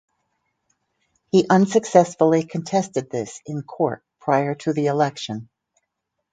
He unsuccessfully contested this in court prior to the election.